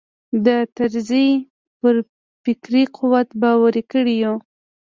د طرزي پر فکري قوت باوري کړي یو.